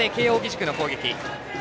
６回表、慶応義塾の攻撃。